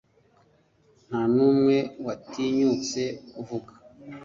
Nta n'umwe watinyutse kuvuga.